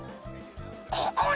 ここ！